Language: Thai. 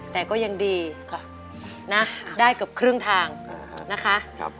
แต่ก็ยังดีนะได้เกือบครึ่งทางนะคะ